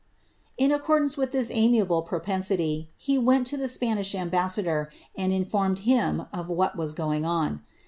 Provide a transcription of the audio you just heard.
'^ In accordance with thif amiable propensity, he went to the S{)ani8h ambassador and informed him of what was going on.